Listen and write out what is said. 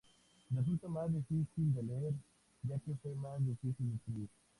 Resulta más difícil de leer, ya que fue más difícil de escribir.